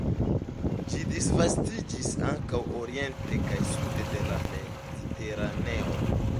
Ĝi disvastiĝis ankaŭ oriente kaj sude de la Mediteraneo.